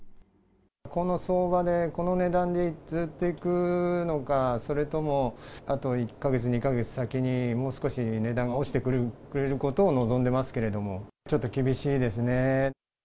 この相場で、この値段でずっといくのか、それともあと１か月、２か月先に、もう少し値段が落ちてくれることを望んでますけれども、ちょっと厳しいですね。